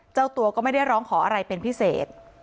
เจ้าตัวก็ไม่ได้ร้องขออะไรเป็นพิเศษ